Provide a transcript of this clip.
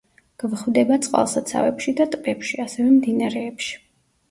გვხვდება წყალსაცავებში და ტბებში, ასევე მდინარეებში.